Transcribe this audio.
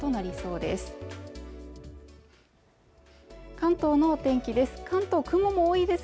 関東の天気です